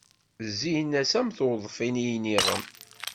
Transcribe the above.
Zzin-as am tweḍfin i iniɣem.